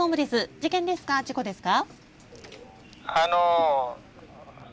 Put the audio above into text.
事故ですか？